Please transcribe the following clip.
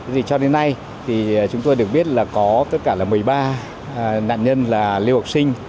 vì cho đến nay thì chúng tôi được biết là có tất cả một mươi ba nạn nhân là liều học sinh